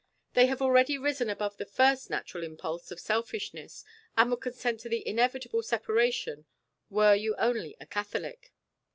They have already risen above the first natural impulse of selfishness, and would consent to the inevitable separation were you only a Catholic.